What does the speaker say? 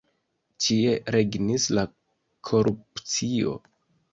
Ĉie regnis la korupcio.